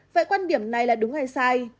vậy quan điểm này là đúng hay sai